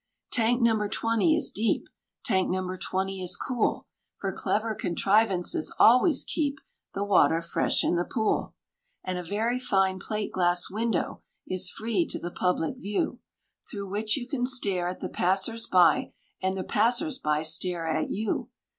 "Tank No. 20" is deep, "Tank No. 20" is cool, For clever contrivances always keep The water fresh in the pool; And a very fine plate glass window is free to the public view, Through which you can stare at the passers by and the passers by stare at you.